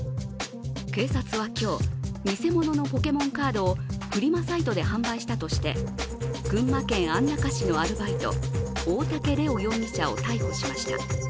警察は今日、偽物のポケモンカードをフリマサイトで販売したとして群馬県安中市のアルバイト、大竹玲央容疑者を逮捕しました。